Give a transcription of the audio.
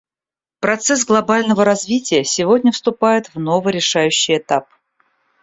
Процесс глобального развития сегодня вступает в новый решающий этап.